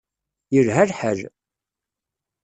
Yelha lḥal.